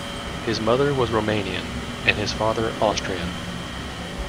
His mother was Romanian and his father Austrian.